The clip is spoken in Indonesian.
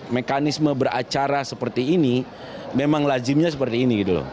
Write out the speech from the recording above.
mekanisme beracara seperti ini memang lazimnya seperti ini